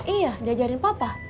iya udah ajarin papa